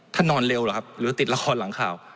นอนเร็วเหรอครับหรือติดละครหลังข่าว